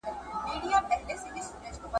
بس دده ګناه همدا وه چي غویی وو !.